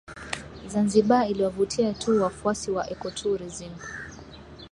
Zanzibar iliwavutia tu wafuasi wa ecotourism